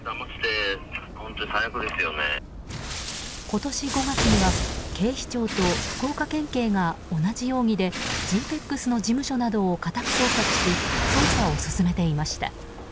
今年５月には警視庁と福岡県警が、同じ容疑でＧ‐ＰＥＸの事務所などを家宅捜索し捜査を進めていました。